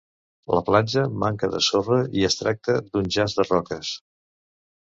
La platja manca de sorra i es tracta d'un jaç de roques.